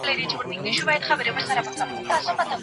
په لیکلو کي یادښتونه تر اورېدلو ډېر خوندي پاته کېږي.